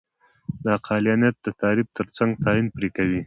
د عقلانیت د تعریف ترڅنګ تعین پرې کوي.